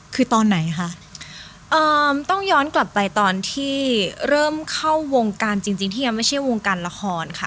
คือตอนไหนคะต้องย้อนกลับไปตอนที่เริ่มเข้าวงการจริงที่ยังไม่ใช่วงการละครค่ะ